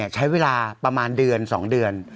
ใช้เวลาประมาณเดือน๒เดือน